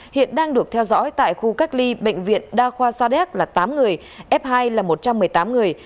hiện đang được theo dõi tại khu cách ly bệnh viện đa khoa sa đéc là tám người f hai là một trăm một mươi tám người